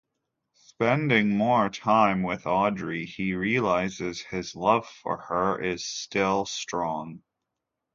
Spending more time with Audrey, he realises his love for her is still strong.